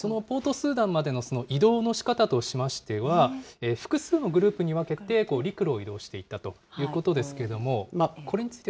スーダンまでの移動のしかたとしましては、複数のグループに分けて、陸路を移動していったということですけれども、これについては。